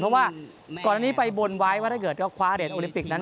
เพราะว่าก่อนนั้นไปบนไว้ถ้าเกิดก็คว้าเหรียญโอลิปิกนั้น